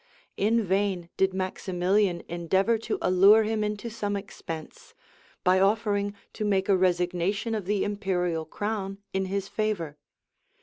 In vain did Maximilian endeavor to allure him into some expense, by offering to make a resignation of the imperial crown in his favor.